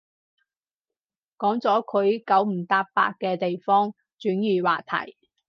講咗佢九唔搭八嘅地方，轉移話題